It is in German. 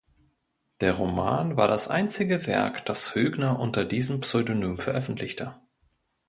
Der Roman war das einzige Werk, das Hoegner unter diesem Pseudonym veröffentlichte.